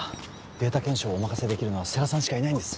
データ検証をお任せできるのは世良さんしかいないんです